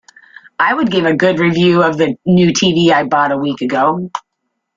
I would give a good review of the new TV I bought a week ago.